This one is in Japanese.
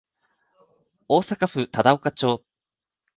大阪府忠岡町